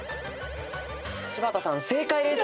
柴田さん正解です。